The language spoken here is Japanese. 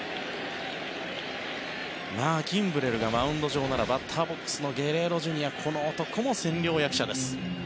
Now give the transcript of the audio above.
キンブレルがマウンド上ならバッターボックスのゲレーロＪｒ．この男も千両役者です。